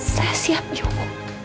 saya siap yung